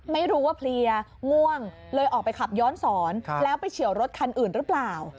ไม่รู้ว่าเพลียง่วงเลยออกไปขับย้อนสอนแล้วไปเฉียวรถคันอื่นหรือเปล่า